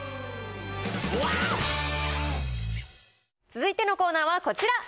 続いてのコーナーはこちら。